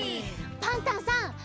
パンタンさん